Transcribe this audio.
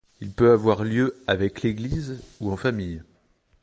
Il peut avoir lieu avec l'église ou en famille.